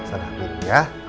salam minum ya